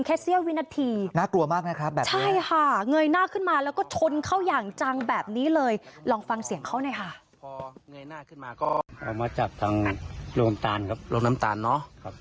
เงยหน้าขึ้นมาเมื่อกี้ก็ชนเขาอย่างจังลองฟังเสียงเขานะครับ